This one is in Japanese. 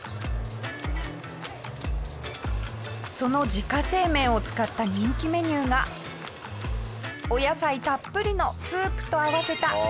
その自家製麺を使った人気メニューがお野菜たっぷりのスープと合わせた。